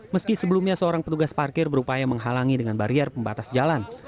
meski sebelumnya seorang petugas parkir berupaya menghalangi dengan barier pembatas jalan